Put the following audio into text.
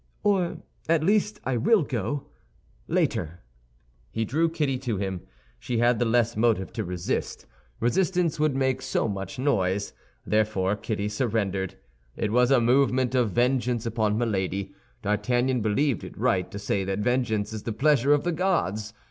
"Or, at least, I will go—later." He drew Kitty to him. She had the less motive to resist, resistance would make so much noise. Therefore Kitty surrendered. It was a movement of vengeance upon Milady. D'Artagnan believed it right to say that vengeance is the pleasure of the gods.